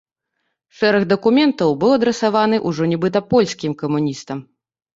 Шэраг дакументаў быў адрасаваны ўжо нібыта польскім камуністам.